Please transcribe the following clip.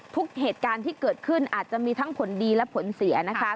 เหตุการณ์ที่เกิดขึ้นอาจจะมีทั้งผลดีและผลเสียนะคะ